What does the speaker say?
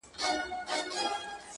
• د مستو پېغلو د پاولیو وطن,